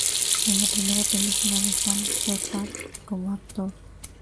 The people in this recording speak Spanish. Es la primera película de Sam Shepard como actor.